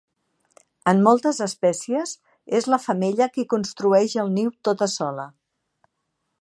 En moltes espècies, és la femella qui construeix el niu tota sola.